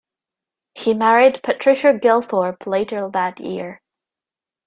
He married Patricia Gilthorpe later that year.